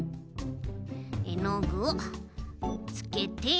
えのぐをつけて。